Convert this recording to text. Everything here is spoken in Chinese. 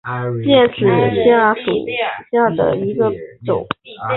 绿色变齿藓为木灵藓科变齿藓属下的一个种。